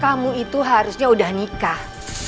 kamu itu harusnya udah nikah